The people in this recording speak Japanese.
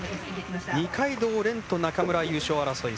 二階堂蓮と中村は優勝争い。